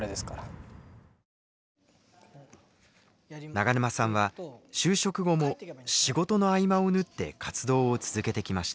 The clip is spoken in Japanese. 永沼さんは就職後も仕事の合間を縫って活動を続けてきました。